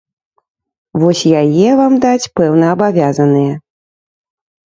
Вось яе вам даць пэўна абавязаныя.